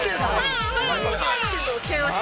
シュートを決めました。